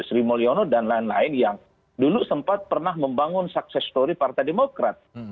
sri mulyono dan lain lain yang dulu sempat pernah membangun sukses story partai demokrat